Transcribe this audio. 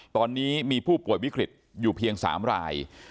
ตอนนี้มีผู้ป่วยวิกฤตอยู่เพียง๓ราย